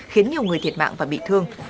khiến nhiều người thiệt mạng và bị thương